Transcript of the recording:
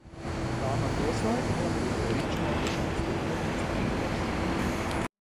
Tā man dos laiku nokļūt pie Ričmonda, pirms tur nokļūst Pīters?